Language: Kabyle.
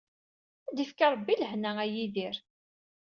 Ad d-yefk Rebbi lehna a Yidir.